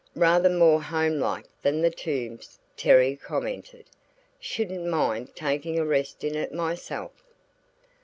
"Rather more home like than the Tombs," Terry commented. "Shouldn't mind taking a rest in it myself."